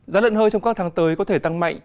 giá lợn hơi trong các tháng tới có thể tăng mạnh